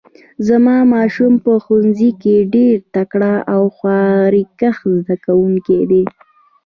زما ماشوم په ښوونځي کې ډیر تکړه او خواریکښ زده کوونکی ده